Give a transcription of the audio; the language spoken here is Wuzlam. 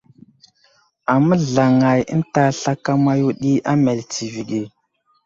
Aməzlaŋay ənta slakama yo ɗi a meltivi age.